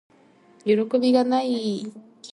よろこびがない～